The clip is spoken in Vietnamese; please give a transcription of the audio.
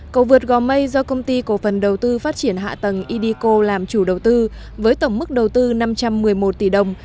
cầu vượt gò mây do công ty cổ phần đầu tư phát triển hạ tầng ideco làm chủ đầu tư với tổng mức đầu tư năm trăm một mươi một tỷ đồng